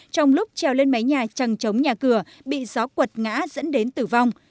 trong lúc treo lên máy nhà trăng chống nhà cửa bị gió quật ngã dẫn đến tử vong